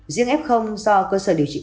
riêng f do cơ sở điều trị tốt